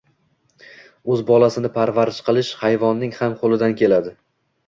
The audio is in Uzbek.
O'z bolasini parvarish qilish hayvonning ham qo'lidan keladi.